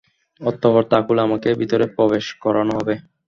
অতঃপর তা খুলে আমাকে ভিতরে প্রবেশ করানো হবে।